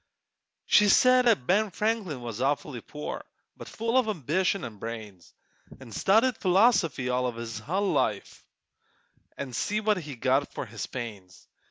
She said 'at Ben Franklin was awfully poor, But full of ambition an' brains; An' studied philosophy all his hull life, An' see what he got for his pains!